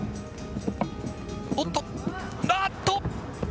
おっと、あーっと。